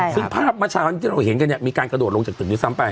ซึ่งภาพเมื่อเช้าที่เราเห็นกันเนี่ยมีการกระโดดลงจากตึกด้วยซ้ำไป